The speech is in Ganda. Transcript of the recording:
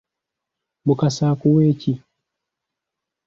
Mukasa akuwe ki?